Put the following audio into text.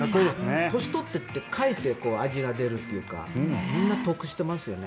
年を取っていってかえって味が出るというかみんな、得していますね。